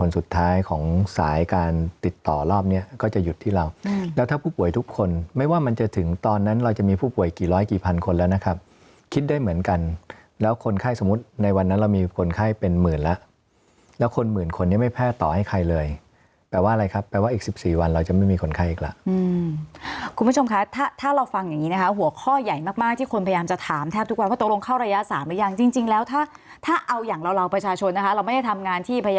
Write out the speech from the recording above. สุดท้ายของสายการติดต่อรอบเนี้ยก็จะหยุดที่เราแล้วถ้าผู้ป่วยทุกคนไม่ว่ามันจะถึงตอนนั้นเราจะมีผู้ป่วยกี่ร้อยกี่พันคนแล้วนะครับคิดได้เหมือนกันแล้วคนไข้สมมุติในวันนั้นเรามีคนไข้เป็นหมื่นแล้วแล้วคนหมื่นคนยังไม่แพร่ต่อให้ใครเลยแปลว่าอะไรครับแปลว่าอีกสิบสี่วันเราจะไม่มีคนไข้อีกแล้วอืมคุณผู้ชมคะถ